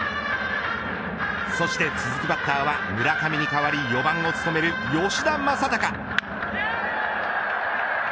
そして続くバッターは村上に代わり４番を務める吉田正尚。